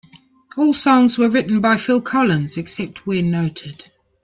All songs were written by Phil Collins, except where noted.